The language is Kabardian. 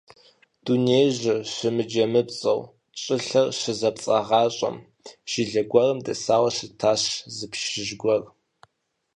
Дунеижьыр щымыджэмыпцӀэу щӀылъэр щызэпцӀагъащӀэм жылэ гуэрым дэсауэ щытащ зы пщыжь гуэр.